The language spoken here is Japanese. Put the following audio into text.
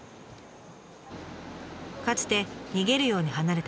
かつて逃げるように離れた名古屋。